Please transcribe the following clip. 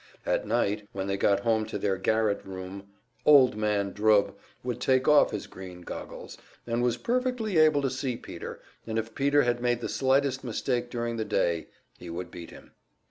At night, when they got home to their garret room, "Old Man" Drubb would take off his green goggles, and was perfectly able to see Peter, and if Peter had made the slightest mistake during the day he would beat him.